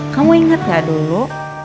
kamu inget gak dulu